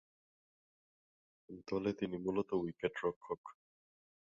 দলে তিনি মূলতঃ উইকেট-রক্ষক।